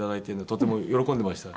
とても喜んでました。